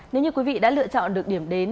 nếu như quý vị đã lựa chọn được điểm đến